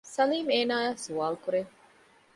ސަލީމް އޭނާއާ ސުވާލު ކުރޭ